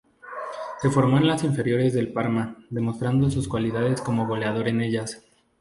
Se formó en las inferiores del Parma, demostrando sus cualidades como goleador en ellas.